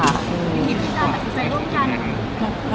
อันนี้พี่จานตัดสินใจร่วมกัน